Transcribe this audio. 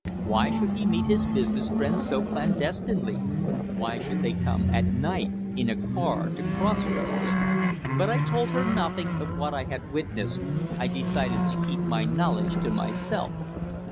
Why should he meet his business friends so clandestinely why should they come at night in a car to cross roads? But I told her nothing of what I had witnessed. I decided to keep my knowledge to myself.